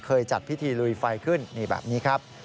จัดพิธีลุยไฟขึ้นนี่แบบนี้ครับ